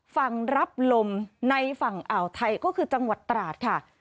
ฝั่งรับลมในฝั่งอ่าวไทยก็คือจังหวัดตราดค่ะ